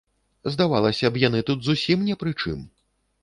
Здавалася б, яны тут зусім не пры чым.